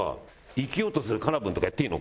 生きようとするカナブンとかやっていいの？